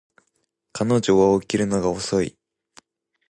彼女は起きるのが遅い